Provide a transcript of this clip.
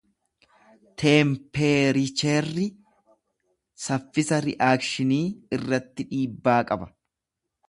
Teempeericheerri saffisa Ri’aakshinii irratti dhibbaa qaba.